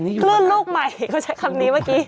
คลื่นลูกใหม่เขาใช้คำนี้เมื่อกี้